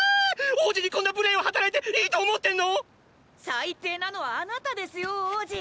王子にこんな無礼を働いていいと思ってんの⁉・最低なのはあなたですよ王子！！